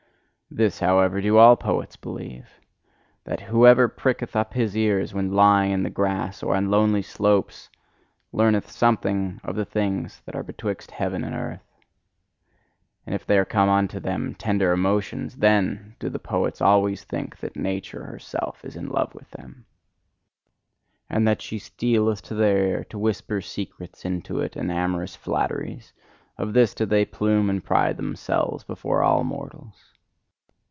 This, however, do all poets believe: that whoever pricketh up his ears when lying in the grass or on lonely slopes, learneth something of the things that are betwixt heaven and earth. And if there come unto them tender emotions, then do the poets always think that nature herself is in love with them: And that she stealeth to their ear to whisper secrets into it, and amorous flatteries: of this do they plume and pride themselves, before all mortals!